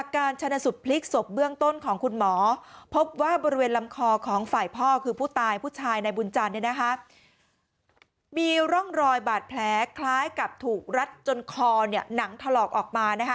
ในบุญจันทร์มีร่องรอยบาดแผลคล้ายกับถูกรัดจนคอหนังถลอกออกมา